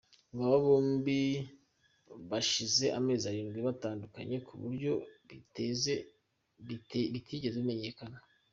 Ngo aba bombi hashize amezi arindwi batandukanye kuburyo bitegeze bimenyakane.